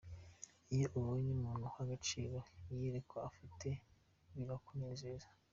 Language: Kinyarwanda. Iyo ubonye umuntu uha agaciro iyerekwa ufite birakunezeza.